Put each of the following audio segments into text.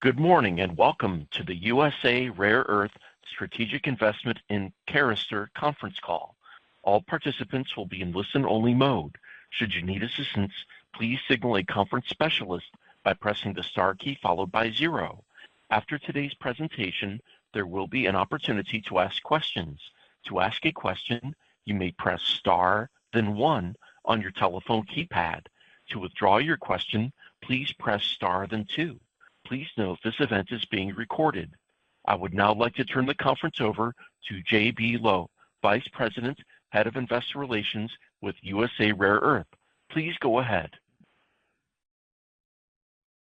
Good morning, and welcome to the USA Rare Earth Strategic Investment in Carester Conference Call. All participants will be in listen-only mode. Should you need assistance, please signal a conference specialist by pressing the star key followed by zero. After today's presentation, there will be an opportunity to ask questions. To ask a question, you may press star then one on your telephone keypad. To withdraw your question, please press star then two. Please note this event is being recorded. I would now like to turn the conference over to J.B. Lowe, Vice President, Head of Investor Relations with USA Rare Earth. Please go ahead.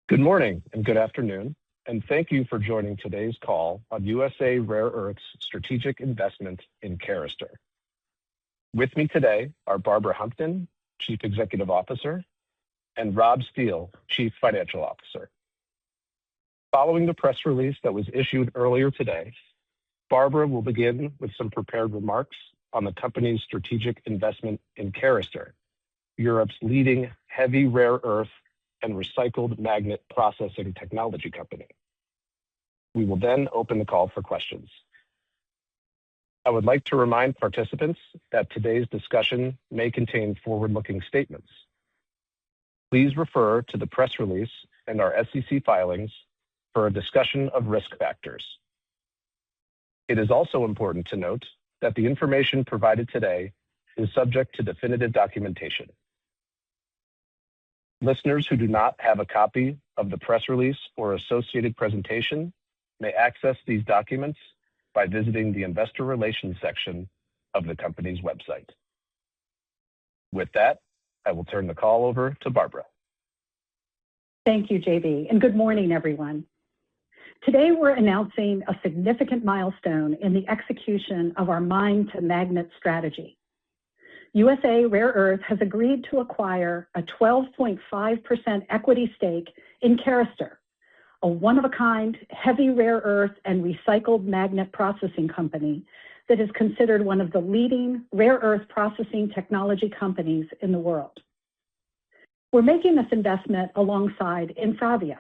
Good morning and good afternoon, and thank you for joining today's call on USA Rare Earth's strategic investment in Carester. With me today are Barbara Humpton, Chief Executive Officer, and Rob Steele, Chief Financial Officer. Following the press release that was issued earlier today, Barbara will begin with some prepared remarks on the company's strategic investment in Carester, Europe's leading heavy rare earth and recycled magnet processing technology company. We will then open the call for questions. I would like to remind participants that today's discussion may contain forward-looking statements. Please refer to the press release and our SEC filings for a discussion of risk factors. It is also important to note that the information provided today is subject to definitive documentation. Listeners who do not have a copy of the press release or associated presentation may access these documents by visiting the investor relations section of the company's website. With that, I will turn the call over to Barbara. Thank you, J.B., and good morning, everyone. Today we're announcing a significant milestone in the execution of our mine-to-magnet strategy. USA Rare Earth has agreed to acquire a 12.5% equity stake in Carester, a one-of-a-kind heavy rare earth and recycled magnet processing company that is considered one of the leading rare earth processing technology companies in the world. We're making this investment alongside InfraVia,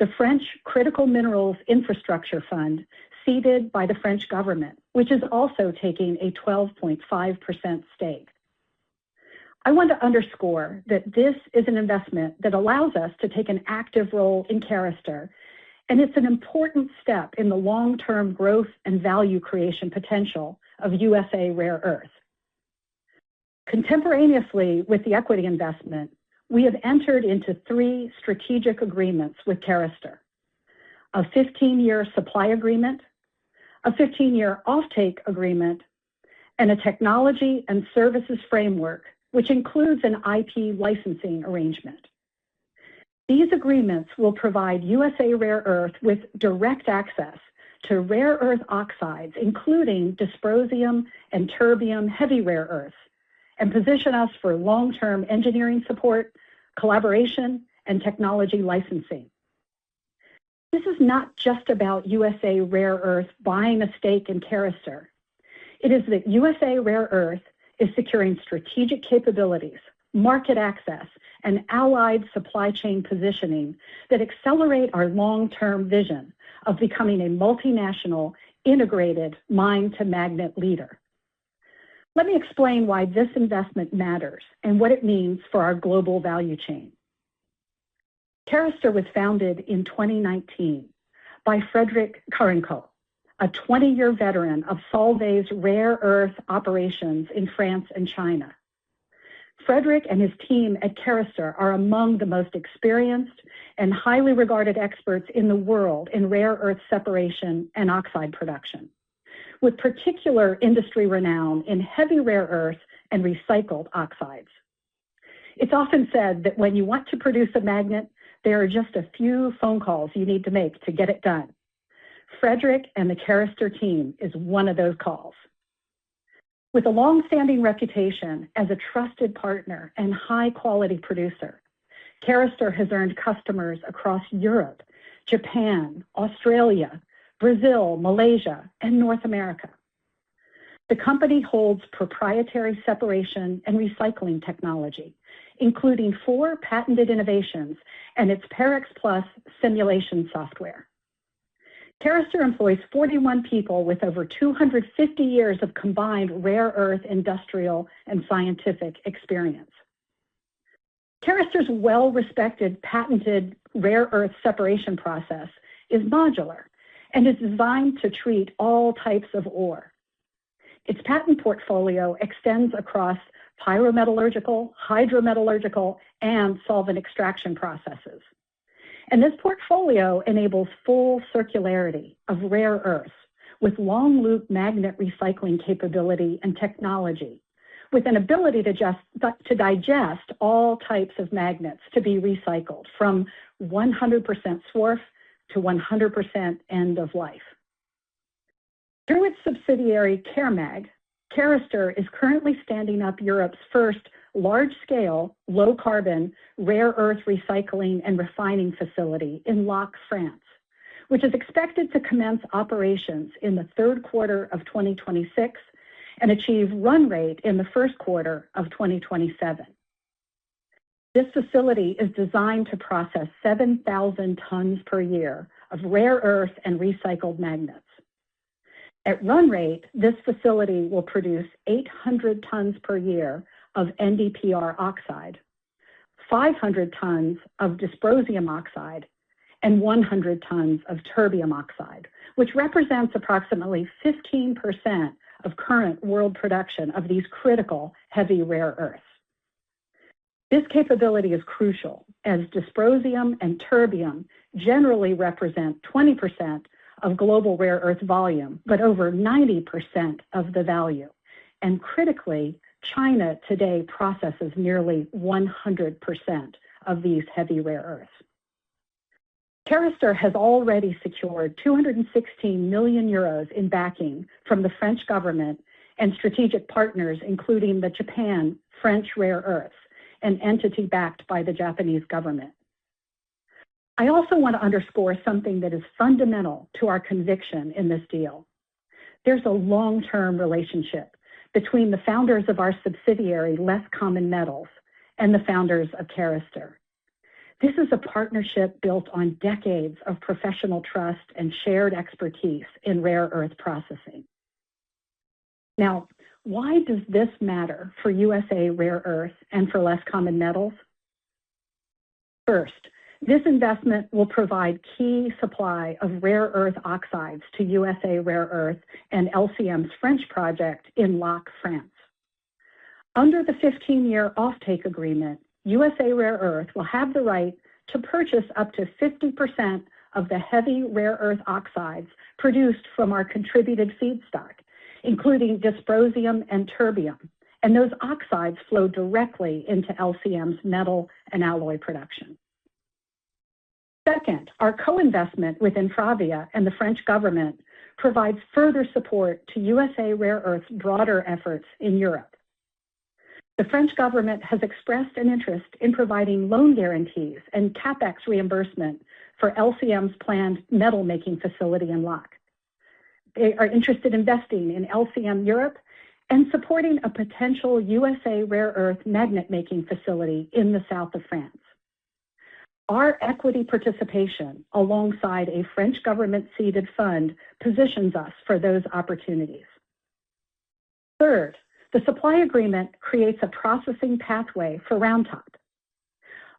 the French Critical Metals Fund, seeded by the French government, which is also taking a 12.5% stake. I want to underscore that this is an investment that allows us to take an active role in Carester, and it's an important step in the long-term growth and value creation potential of USA Rare Earth. Contemporaneously with the equity investment, we have entered into three strategic agreements with Carester, a 15-year supply agreement, a 15-year offtake agreement, and a technology and services framework, which includes an IP licensing arrangement. These agreements will provide USA Rare Earth with direct access to rare earth oxides, including dysprosium and terbium heavy rare earths, and position us for long-term engineering support, collaboration, and technology licensing. This is not just about USA Rare Earth buying a stake in Carester. It is that USA Rare Earth is securing strategic capabilities, market access, and allied supply chain positioning that accelerate our long-term vision of becoming a multinational integrated mine-to-magnet leader. Let me explain why this investment matters and what it means for our global value chain. Carester was founded in 2019 by Frédéric Carencotte, a 20-year veteran of Solvay's rare earth operations in France and China. Frédéric and his team at Carester are among the most experienced and highly regarded experts in the world in rare earth separation and oxide production. With particular industry renown in heavy rare earths and recycled oxides. It's often said that when you want to produce a magnet, there are just a few phone calls you need to make to get it done. Frédéric and the Carester team is one of those calls. With a long-standing reputation as a trusted partner and high-quality producer, Carester has earned customers across Europe, Japan, Australia, Brazil, Malaysia, and North America. The company holds proprietary separation and recycling technology, including four patented innovations and its Parex+ simulation software. Carester employs 41 people with over 250 years of combined rare earth industrial and scientific experience. Carester's well-respected patented rare earth separation process is modular and is designed to treat all types of ore. Its patent portfolio extends across pyrometallurgical, hydrometallurgical, and solvent extraction processes. This portfolio enables full circularity of rare earth with long-loop magnet recycling capability and technology, with an ability to digest all types of magnets to be recycled from 100% source to 100% end of life. Through its subsidiary Coremag, Carester is currently standing up Europe's first large-scale, low-carbon, rare earth recycling and refining facility in Lacq, France, which is expected to commence operations in the third quarter of 2026 and achieve run rate in the first quarter of 2027. This facility is designed to process 7,000 tons per year of rare earth and recycled magnets. At run rate, this facility will produce 800 tons per year of NdPr oxide, 500 tons of dysprosium oxide, and 100 tons of terbium oxide, which represents approximately 15% of current world production of these critical heavy rare earths. This capability is crucial as dysprosium and terbium generally represent 20% of global rare earth volume, but over 90% of the value. Critically, China today processes nearly 100% of these heavy rare earths. Carester has already secured 216 million euros in backing from the French government and strategic partners, including the Japan-France Rare Earths, an entity backed by the Japanese government. I also want to underscore something that is fundamental to our conviction in this deal. There's a long-term relationship between the founders of our subsidiary, Less Common Metals, and the founders of Carester. This is a partnership built on decades of professional trust and shared expertise in rare earth processing. Now, why does this matter for USA Rare Earth and for Less Common Metals? First, this investment will provide key supply of rare earth oxides to USA Rare Earth and LCM's French project in Lacq, France. Under the 15-year offtake agreement, USA Rare Earth will have the right to purchase up to 50% of the heavy rare earth oxides produced from our contributed feedstock, including dysprosium and terbium, and those oxides flow directly into LCM's metal and alloy production. Second, our co-investment with InfraVia and the French government provides further support to USA Rare Earth's broader efforts in Europe. The French government has expressed an interest in providing loan guarantees and CapEx reimbursement for LCM's planned metal-making facility in Lacq. They are interested in investing in LCM Europe and supporting a potential USA Rare Earth magnet-making facility in the South of France. Our equity participation alongside a French government-seeded fund positions us for those opportunities. Third, the supply agreement creates a processing pathway for Round Top.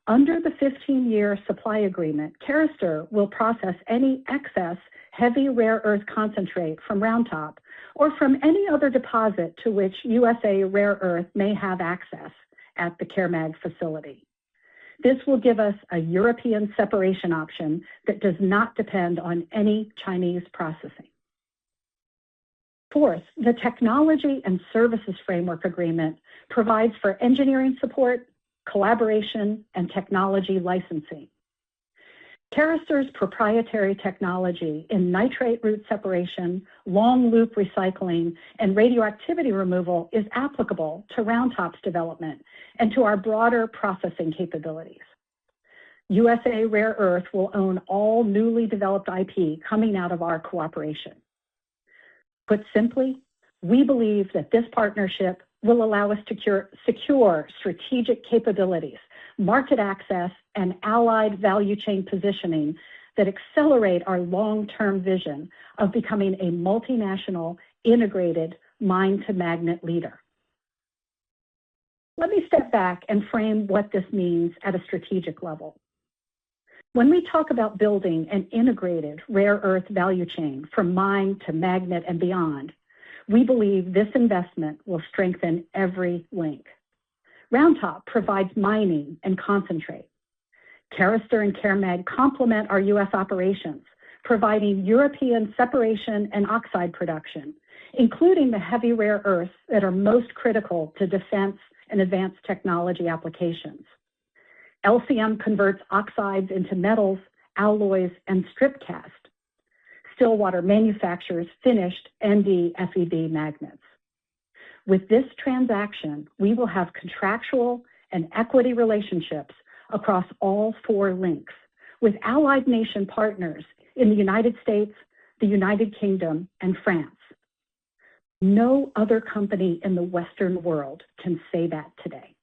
Under the 15-year supply agreement, Carester will process any excess heavy rare earth concentrate from Round Top or from any other deposit to which USA Rare Earth may have access at the Coremag facility. This will give us a European separation option that does not depend on any Chinese processing. Fourth, the technology and services framework agreement provides for engineering support, collaboration, and technology licensing. Carester's proprietary technology in nitrate route separation, long loop recycling, and radioactivity removal is applicable to Round Top's development and to our broader processing capabilities. USA Rare Earth will own all newly developed IP coming out of our cooperation. Put simply, we believe that this partnership will allow us to secure strategic capabilities, market access, and allied value chain positioning that accelerate our long-term vision of becoming a multinational integrated mine-to-magnet leader. Let me step back and frame what this means at a strategic level. When we talk about building an integrated rare earth value chain from mine-to-magnet and beyond, we believe this investment will strengthen every link. Round Top provides mining and concentrate. Carester and Coremag complement our U.S. operations, providing European separation and oxide production, including the heavy rare earths that are most critical to defense and advanced technology applications. LCM converts oxides into metals, alloys, and strip cast. Stillwater manufactures finished NdFeB magnets. With this transaction, we will have contractual and equity relationships across all four links with allied nation partners in the United States, the United Kingdom, and France. No other company in the Western world can say that today.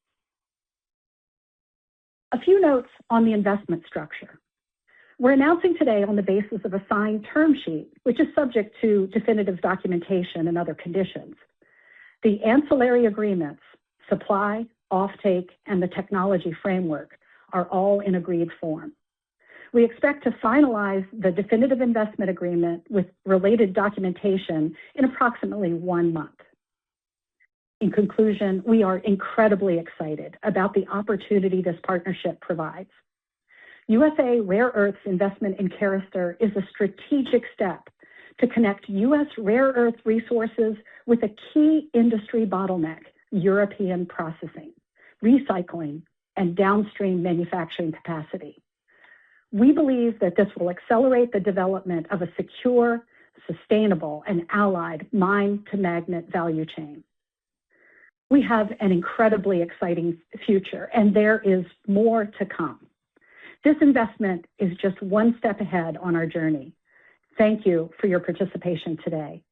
A few notes on the investment structure. We're announcing today on the basis of a signed term sheet, which is subject to definitive documentation and other conditions. The ancillary agreements, supply, offtake, and the technology framework are all in agreed form. We expect to finalize the definitive investment agreement with related documentation in approximately one month. In conclusion, we are incredibly excited about the opportunity this partnership provides. USA Rare Earth's investment in Carester is a strategic step to connect U.S. rare earth resources with a key industry bottleneck, European processing, recycling, and downstream manufacturing capacity. We believe that this will accelerate the development of a secure, sustainable, and allied mine-to-magnet value chain. We have an incredibly exciting future and there is more to come. This investment is just one step ahead on our journey. Thank you for your participation today.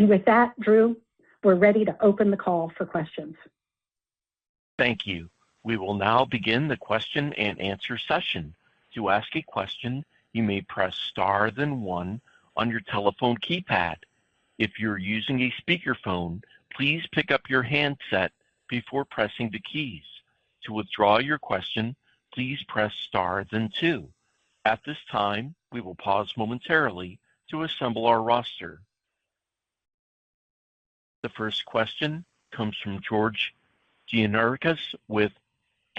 With that, Drew, we're ready to open the call for questions. Thank you. We will now begin the question and answer session. To ask a question, you may press star then one on your telephone keypad. If you're using a speakerphone, please pick up your handset before pressing the keys. To withdraw your question, please press star then two. At this time, we will pause momentarily to assemble our roster. The first question comes from George Gianarikas with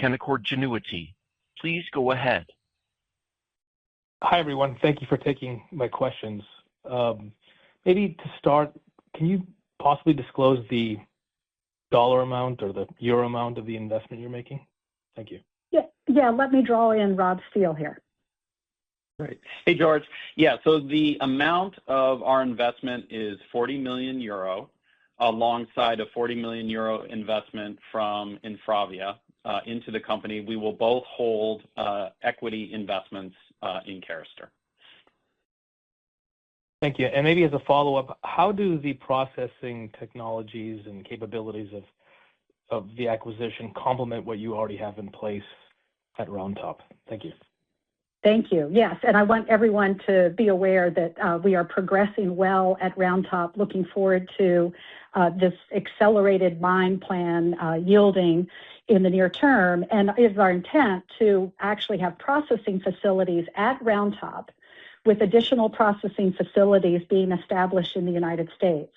Canaccord Genuity. Please go ahead. Hi, everyone. Thank you for taking my questions. Maybe to start, can you possibly disclose the dollar amount or the euro amount of the investment you're making? Thank you. Yeah. Let me draw in Rob Steele here. Great. Hey, George. Yeah. The amount of our investment is 40 million euro, alongside a 40 million euro investment from InfraVia into the company. We will both hold equity investments in Carester. Thank you. Maybe as a follow-up, how do the processing technologies and capabilities of the acquisition complement what you already have in place at Round Top? Thank you. Thank you. Yes. I want everyone to be aware that we are progressing well at Round Top, looking forward to this accelerated mine plan yielding in the near term, and it is our intent to actually have processing facilities at Round Top with additional processing facilities being established in the United States.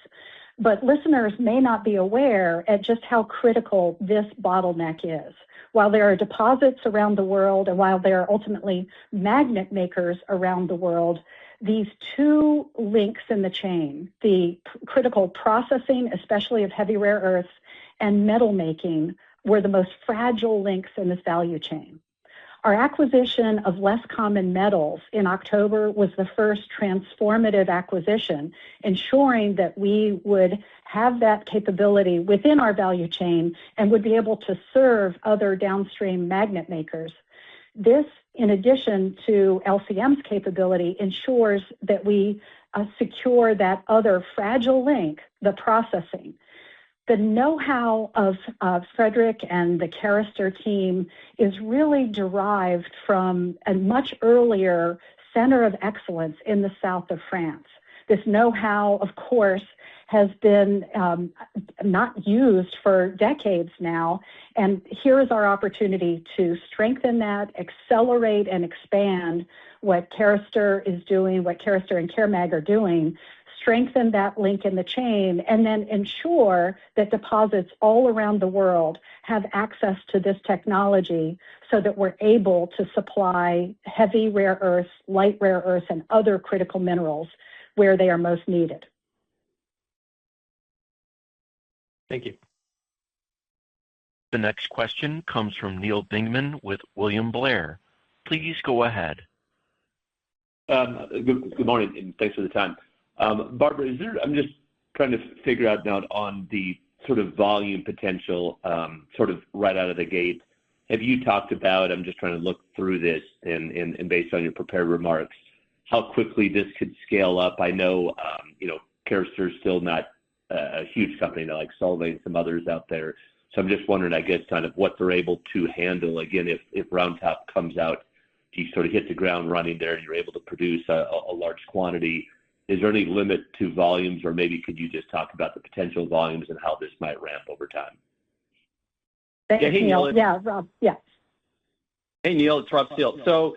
Listeners may not be aware at just how critical this bottleneck is. While there are deposits around the world, and while there are ultimately magnet makers around the world, these two links in the chain, the critical processing, especially of heavy rare earths and metal making, were the most fragile links in this value chain. Our acquisition of Less Common Metals in October was the first transformative acquisition, ensuring that we would have that capability within our value chain and would be able to serve other downstream magnet makers. This, in addition to LCM's capability, ensures that we secure that other fragile link, the processing. The knowhow of Frédéric and the Carester team is really derived from a much earlier center of excellence in the South of France. This knowhow, of course, has been not used for decades now, and here is our opportunity to strengthen that, accelerate and expand what Carester is doing, what Carester and Coremag are doing, strengthen that link in the chain, and then ensure that deposits all around the world have access to this technology so that we're able to supply heavy rare earths, light rare earths, and other critical minerals where they are most needed. Thank you. The next question comes from Neal Dingmann with William Blair. Please go ahead. Good morning, and thanks for the time. Barbara, I'm just trying to figure out now on the sort of volume potential, sort of right out of the gate. Have you talked about, I'm just trying to look through this and based on your prepared remarks, how quickly this could scale up? I know Carester is still not a huge company like Solvay and some others out there. I'm just wondering, I guess, kind of what they're able to handle. Again, if Round Top comes out, you sort of hit the ground running there and you're able to produce a large quantity. Is there any limit to volumes, or maybe could you just talk about the potential volumes and how this might ramp over time? Yeah, Rob. Yeah. Hey, Neal, it's Rob Steele.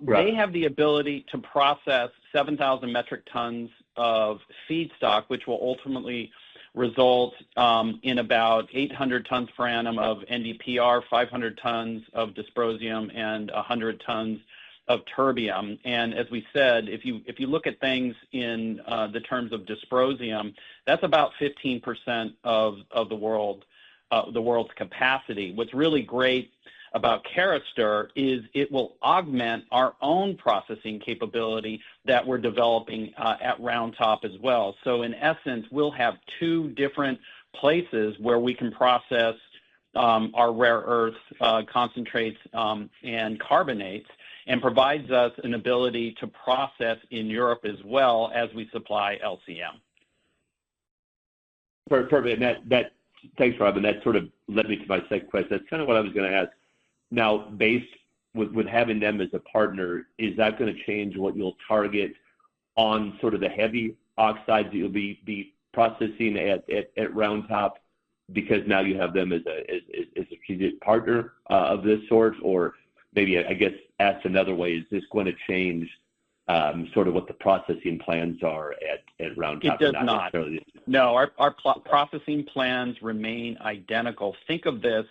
Right... they have the ability to process 7,000 metric tons of feedstock, which will ultimately result in about 800 tons per annum of NdPr, 500 tons of dysprosium, and 100 tons of terbium. As we said, if you look at things in the terms of dysprosium, that's about 15% of the world's capacity. What's really great about Carester is it will augment our own processing capability that we're developing at Round Top as well. In essence, we'll have two different places where we can process our rare earths concentrates and carbonates, and provides us an ability to process in Europe as well as we supply LCM. Perfect. Thanks, Rob. That sort of led me to my second question. That's kind of what I was going to ask. Now, with having them as a partner, is that going to change what you'll target on sort of the heavy oxides that you'll be processing at Round Top because now you have them as a strategic partner of this sort? Maybe, I guess, asked another way, is this going to change sort of what the processing plans are at Round Top? It does not. No, our processing plans remain identical. Think of this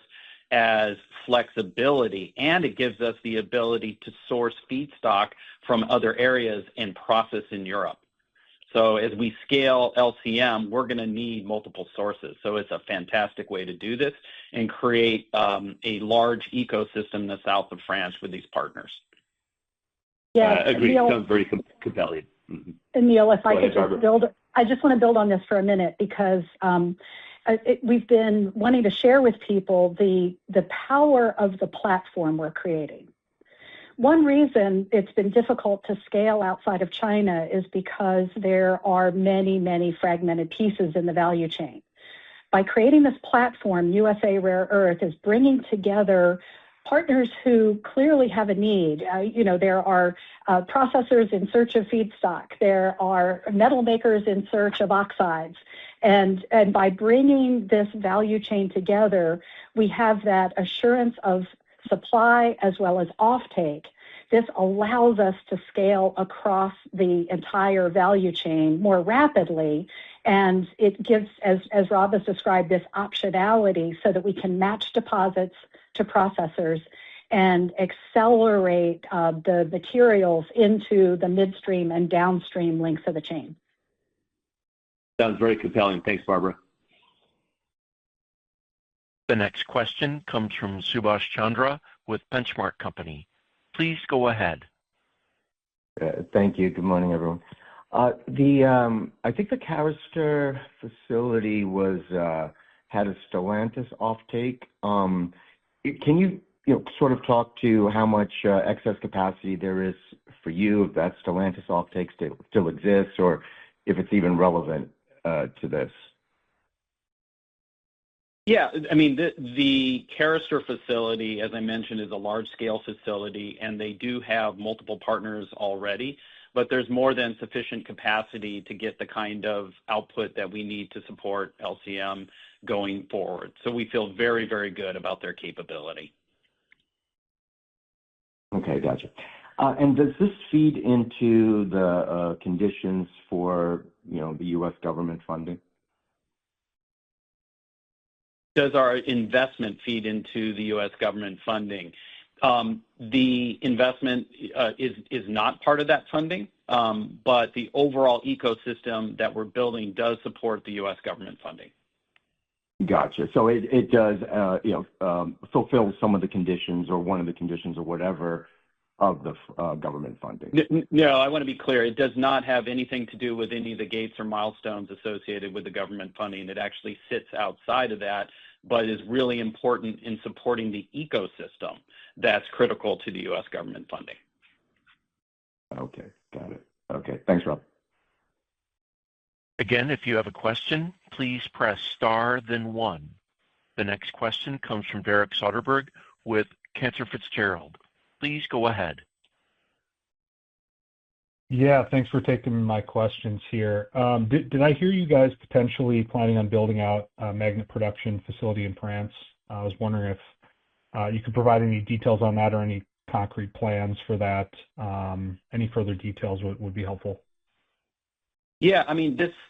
as flexibility, and it gives us the ability to source feedstock from other areas and process in Europe. As we scale LCM, we're going to need multiple sources. It's a fantastic way to do this and create a large ecosystem in the South of France with these partners. Yeah. Agreed. Sounds very compelling. Neal, if I could just build. Go ahead, Barbara. I just want to build on this for a minute, because we've been wanting to share with people the power of the platform we're creating. One reason it's been difficult to scale outside of China is because there are many, many fragmented pieces in the value chain. By creating this platform, USA Rare Earth is bringing together partners who clearly have a need. There are processors in search of feedstock. There are metal makers in search of oxides. By bringing this value chain together, we have that assurance of supply as well as offtake. This allows us to scale across the entire value chain more rapidly, and it gives, as Rob has described, this optionality so that we can match deposits to processors and accelerate the materials into the midstream and downstream links of the chain. Sounds very compelling. Thanks, Barbara. The next question comes from Subash Chandra with Benchmark Company. Please go ahead. Thank you. Good morning, everyone. I think the Carester facility had a Stellantis offtake. Can you talk to how much excess capacity there is for you if that Stellantis offtake still exists, or if it's even relevant to this? Yeah. The Carester facility, as I mentioned, is a large-scale facility, and they do have multiple partners already. There's more than sufficient capacity to get the kind of output that we need to support LCM going forward. We feel very, very good about their capability. Okay, got you. Does this feed into the conditions for the U.S. government funding? Does our investment feed into the U.S. government funding? The investment is not part of that funding, but the overall ecosystem that we're building does support the U.S. government funding. Got you. It does fulfill some of the conditions, or one of the conditions or whatever, of the government funding. No, I want to be clear. It does not have anything to do with any of the gates or milestones associated with the government funding. It actually sits outside of that, but is really important in supporting the ecosystem that's critical to the U.S. government funding. Okay, got it. Okay. Thanks, Rob. Again, if you have a question, please press star then one. The next question comes from Derek Soderberg with Cantor Fitzgerald. Please go ahead. Yeah, thanks for taking my questions here. Did I hear you guys potentially planning on building out a magnet production facility in France? I was wondering if you could provide any details on that or any concrete plans for that. Any further details would be helpful. Yeah.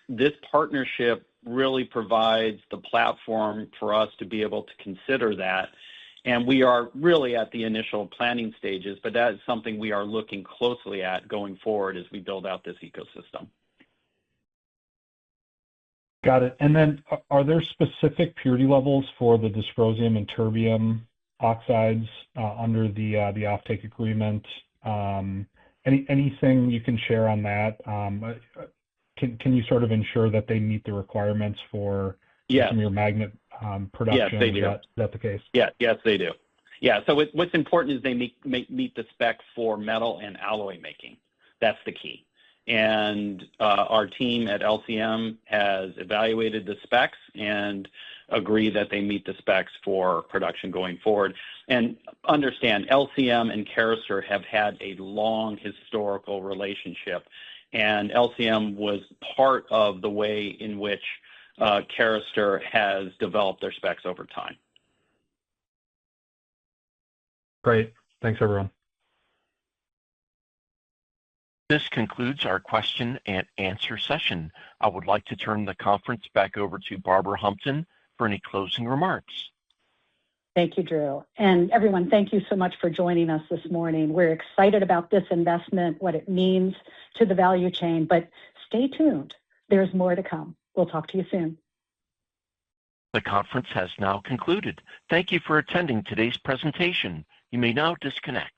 This partnership really provides the platform for us to be able to consider that. We are really at the initial planning stages, but that is something we are looking closely at going forward as we build out this ecosystem. Got it. Are there specific purity levels for the dysprosium and terbium oxides, under the offtake agreement? Anything you can share on that? Can you sort of ensure that they meet the requirements for- Yeah Some of your magnet production? Yeah, they do. Is that the case? Yes, they do. Yeah. What's important is they meet the spec for metal and alloy making. That's the key. Our team at LCM has evaluated the specs and agree that they meet the specs for production going forward. Understand, LCM and Carester have had a long historical relationship, and LCM was part of the way in which Carester has developed their specs over time. Great. Thanks, everyone. This concludes our question and answer session. I would like to turn the conference back over to Barbara Humpton for any closing remarks. Thank you, Drew. Everyone, thank you so much for joining us this morning. We're excited about this investment, what it means to the value chain. Stay tuned, there's more to come. We'll talk to you soon. The conference has now concluded. Thank you for attending today's presentation. You may now disconnect.